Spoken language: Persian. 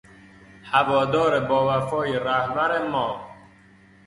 هوادار باوفای رهبر ما